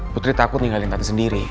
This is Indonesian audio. putri takut ninggalin tante sendiri